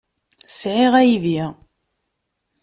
Sɛiɣ aydi.